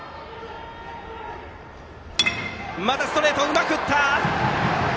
ストレートをうまく打った！